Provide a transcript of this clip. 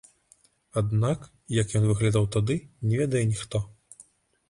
Аднак як ён выглядаў тады, не ведае ніхто.